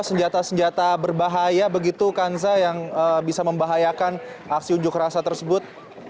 senjata senjata berbahaya begitu kanza yang bisa membahayakan aksi unjuk rasa tersebut